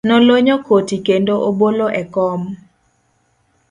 Nolonyo koti kendo obolo e kom.